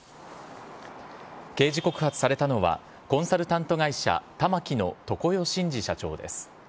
刑事告発されたのは、コンサルタント会社、たまきの常世真司社長です。